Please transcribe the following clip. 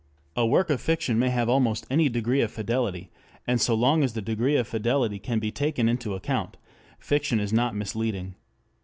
A work of fiction may have almost any degree of fidelity, and so long as the degree of fidelity can be taken into account, fiction is not misleading.